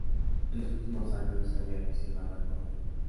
En los últimos años, se había aficionado al golf.